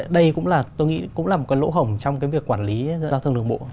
đây cũng là tôi nghĩ cũng là một cái lỗ hổng trong cái việc quản lý giao thông đường bộ